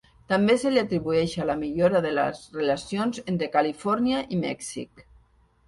També se li atribueix a la millora de les relacions entre Califòrnia i Mèxic.